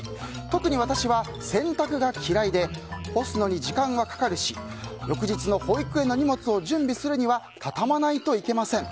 特に私は洗濯が嫌いで干すのに時間はかかるし翌日の保育園の荷物を準備するには畳まないといけません。